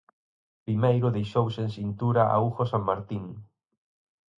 Primeiro deixou sen cintura a Hugo Sanmartín.